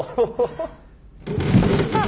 あっ！